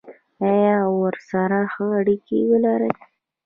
آیا او ورسره ښه اړیکه ولري؟